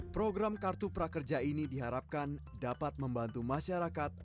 program kartu prakerja ini diharapkan dapat membantu masyarakat